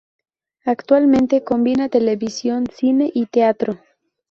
Actualmente, combina televisión, cine y teatro.